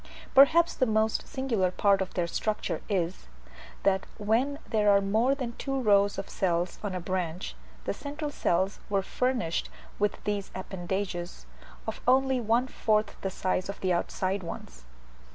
Perhaps the most singular part of their structure is, that when there were more than two rows of cells on a branch, the central cells were furnished with these appendages, of only one fourth the size of the outside ones.